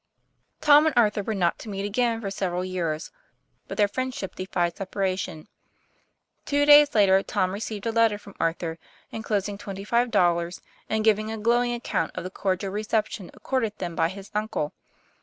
Tom and Arthur were not to meet again for several years. But their friendship defied separation. Two days later Tom received a letter from Arthur, en closing twenty five dollars, and giving a giOwing account of the cordial reception accorded them by his uncle.